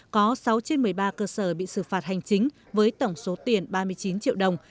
có sáu trên một mươi ba cơ sở bị xử phạt hành chính với tổng số tiền ba mươi chín triệu đồng